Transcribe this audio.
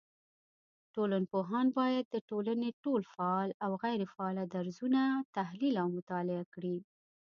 ټولنپوهان بايد د ټولني ټول فعال او غيري فعاله درځونه تحليل او مطالعه کړي